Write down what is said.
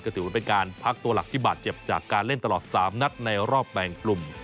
ก็ถือว่าเป็นการพักตัวหลักที่บาดเจ็บจากการเล่นตลอด๓นัดในรอบแบ่งกลุ่ม